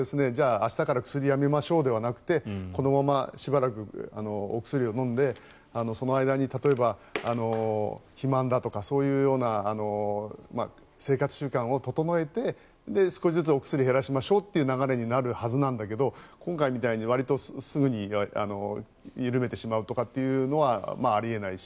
明日から薬やめましょうではなくこのまましばらくお薬を飲んでその間に例えば、肥満だとかそういうような生活習慣を整えて少しずつお薬を減らしましょうという流れになるはずなんだけど今回みたいに、わりとすぐに緩めてしまうとかっていうのはあり得ないし。